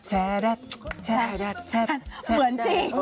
เหมือนจริง